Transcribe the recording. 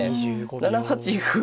７八歩は。